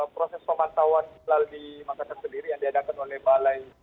proses pemantauan hilal di makassar sendiri yang diadakan oleh balai